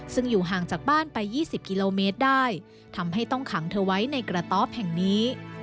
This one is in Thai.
ซึ่งอยู่ห่างจากบ้านไป๒๐กิโลเมตรได้ทำให้ต้องขังเธอไว้ในกระต๊อบแห่งนี้